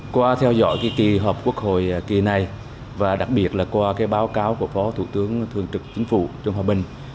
qua theo dõi kỳ họp quốc hội kỳ này và đặc biệt là qua báo cáo của phó thủ tướng thường trực chính phủ trương hòa bình